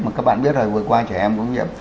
mà các bạn biết rồi vừa qua trẻ em cũng nhiễm